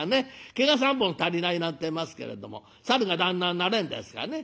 毛が３本足りないなんてえますけれどもサルが旦那になれんですかね」。